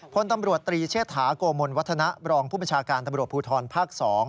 พลตำรวจตรีเชษฐาโกมลวัฒนะรองผู้บัญชาการตำรวจภูทรภาค๒